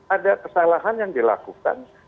ada kesalahan yang dilakukan